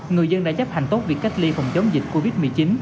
người dân đã chấp hành tốt việc cách ly phòng chống dịch covid một mươi chín